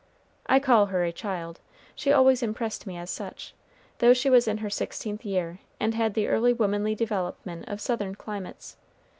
I call her a child, she always impressed me as such, though she was in her sixteenth year and had the early womanly development of Southern climates.